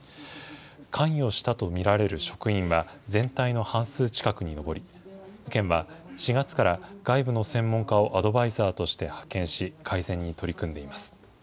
関与したと見られる職員は全体の半数近くに上り、県は４月から外部の専門家をアドバイザーとして派遣し、改善に取り組んでいます。